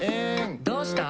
「どうした？」